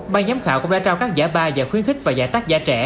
ban giám khảo cũng đã trao các giả ba giả khuyến khích và giả tác giả trẻ